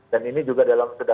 dan ini juga dalam